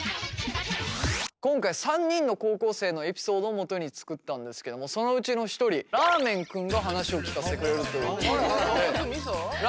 今回３人の高校生のエピソードをもとに作ったんですけどもそのうちの一人らーめん君が話を聞かせてくれるということで。